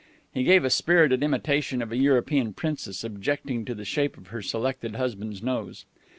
He gave a spirited imitation of a European princess objecting to the shape of her selected husband's nose.